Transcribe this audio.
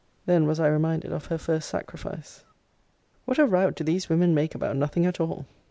Then was I reminded of her first sacrifice. What a rout do these women make about nothing at all!